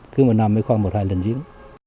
cứ một năm mới khoan một hai lần diễn